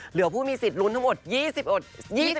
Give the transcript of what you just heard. เหลือผู้มีสิทธิ์ลุ้นทั้งหมด